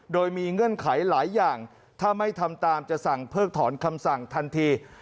โดยมีเงื่อนไขหลายอย่างถ้าไม่ทำตามจะสั่งเพิกถอนคำสั่งทันที